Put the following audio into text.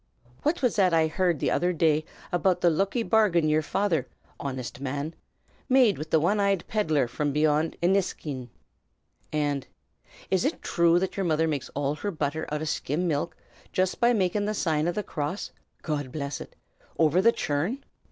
"Phwhat was that I h'ard the other day about the looky bargain yer father honest man! made wid the one eyed peddler from beyant Inniskeen?" and "Is it thrue that yer mother makes all her butther out av skim milk just by making the sign of the cross God bless it! over the churn?"